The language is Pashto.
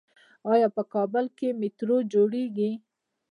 آیا په کابل کې میټرو جوړیږي؟